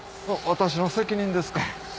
私の責任ですか？